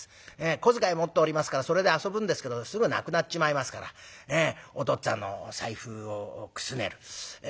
小遣い持っておりますからそれで遊ぶんですけどすぐなくなっちまいますからお父っつぁんの財布をくすねる。